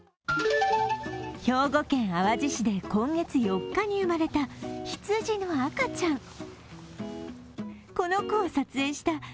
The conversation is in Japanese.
兵庫県淡路市で今月４日に生まれたひつじの赤ちゃん。